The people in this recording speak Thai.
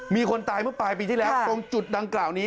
มีคนตายเมื่อปลายปีที่แล้วตรงจุดดังกล่าวนี้